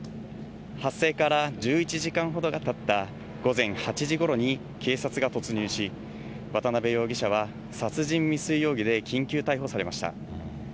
発生から１１時間ほどがたった午前８時ごろに警察が突入し、渡辺容疑者は殺人未遂容疑で緊急逮捕されました。